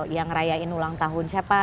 yang ngerayain ulang tahun siapa